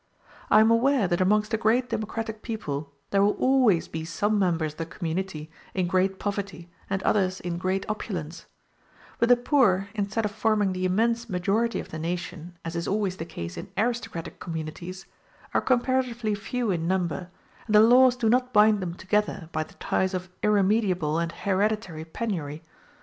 I am aware that amongst a great democratic people there will always be some members of the community in great poverty, and others in great opulence; but the poor, instead of forming the immense majority of the nation, as is always the case in aristocratic communities, are comparatively few in number, and the laws do not bind them together by the ties of irremediable and hereditary penury.